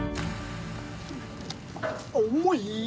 重い！